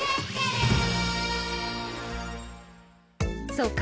そうか。